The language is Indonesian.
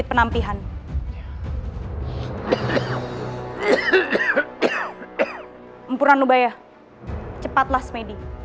empurna nubaya cepatlah smedhi